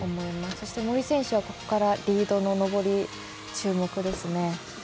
そして、森選手はここからリードの登り、注目ですね。